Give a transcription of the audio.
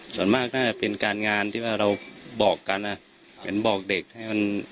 ส่วนมากน่าจะเป็นการงานที่ว่าเราบอกกันอ่ะเหมือนบอกเด็กให้มัน